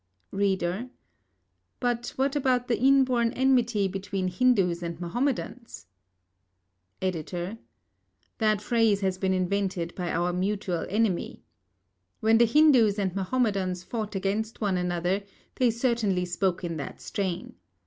READER: But what about the inborn enmity between Hindus and Mahomedans? EDITOR: That phrase has been invented by our mutual enemy. When the Hindus and Mahomedans fought against one another, they certainly spoke in that strain.